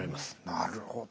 なるほど。